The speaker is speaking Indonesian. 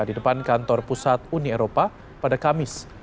di depan kantor pusat uni eropa pada kamis